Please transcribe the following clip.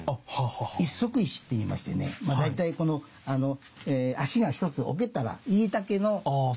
一足石って言いましてね大体この足が一つ置けたらいい丈の大きさ。